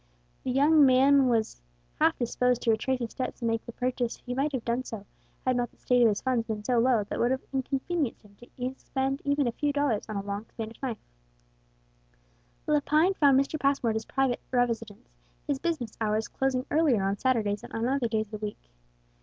The young man was half disposed to retrace his steps and make the purchase; he might have done so, had not the state of his funds been so low that it would have inconvenienced him to expend even a few dollars on a long Spanish knife. Lepine found Mr. Passmore at his private residence, his business hours closing earlier on Saturdays than on other days of the week.